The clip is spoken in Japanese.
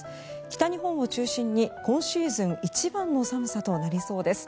北日本を中心に今シーズン一番の寒さとなりそうです。